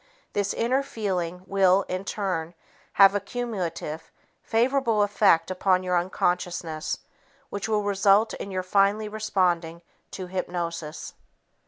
This inner feeling will, in turn, have a cumulative, favorable effect upon your unconscious which will result in your finally responding to hypnosis.